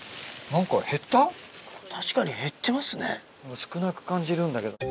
少なく感じるんだけど。